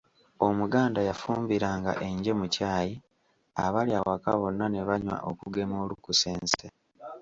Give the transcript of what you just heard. Omuganda yafumbiranga enje mu Chai abali awaka bonna ne banywa okugema olukusense.